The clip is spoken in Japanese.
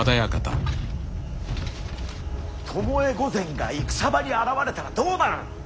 巴御前が戦場に現れたらどうなる。